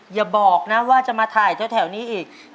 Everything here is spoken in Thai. อย่าบอกนะว่าจะมาถ่ายแถวนี้อีก